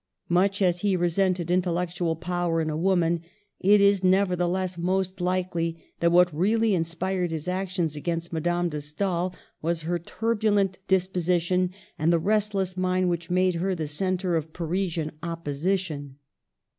Much as he resented intellectual power in a woman, it is nevertheless most likely that what really inspired his action against Ma dame de Stael was her turbulent disposition and the restless mind which made her the centre of Parisian opposition.